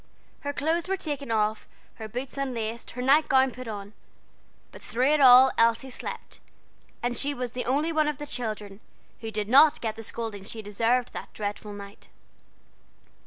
Her clothes were taken off, her boots unlaced, her night gown put on; but through it all Elsie slept, and she was the only one of the children who did not get the scolding she deserved that dreadful night.